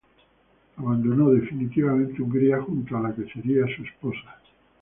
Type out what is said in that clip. Abandonó definitivamente Hungría junto a la que sería su esposa.